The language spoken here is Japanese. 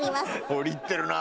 おりいってるな